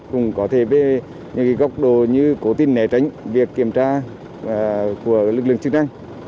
cũng có thể về những góc độ như cố tình né tránh việc kiểm tra của lực lượng chức năng